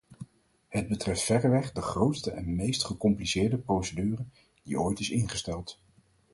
Het betreft verreweg de grootste en meest gecompliceerde procedure die ooit is ingesteld.